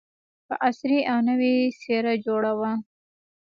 په عصري او نوې څېره جوړه وه.